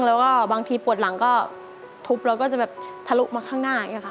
แล้วก็บางทีปวดหลังก็ทุบแล้วก็จะแบบทะลุมาข้างหน้าอย่างนี้ค่ะ